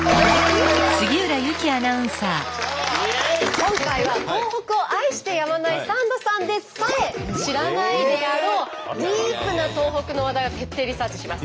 今回は東北を愛してやまないサンドさんでさえ知らないであろうディープな東北の話題を徹底リサーチします。